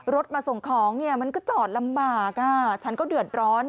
รถมาส่งของเนี่ยมันก็จอดลำบากฉันก็เดือดร้อน